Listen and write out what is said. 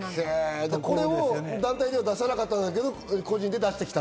これを団体では出さなかったんだけど、個人では出した。